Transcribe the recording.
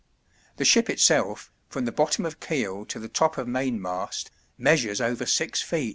The ship itself, from the bottom of keel to the top of mainmast, measures over 6 ft.